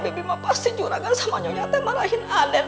bibi aku pasti juragan dan nyonya akan marahin anand